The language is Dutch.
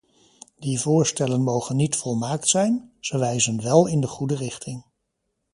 Die voorstellen mogen niet volmaakt zijn, ze wijzen wel in de goede richting.